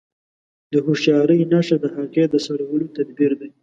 د هوښياري نښه د هغې د سړولو تدبير دی.